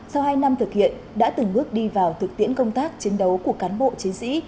sau hai năm thực hiện đã từng bước đi vào thực tiễn công tác chiến đấu của cán bộ chiến sĩ